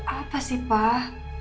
apa sih pak